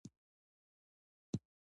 نو زما سره پاتې لار څۀ ده ؟